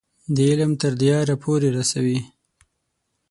د علم تر دیاره پورې رسوي.